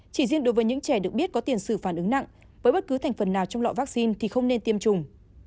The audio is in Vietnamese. chỉ riêng đối với những trẻ được biết có tiền xử phản ứng nặng với bất cứ thành phần nào trong loại vaccine thì không nên tiêm chủng